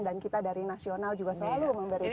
dan kita dari nasional juga selalu memberikan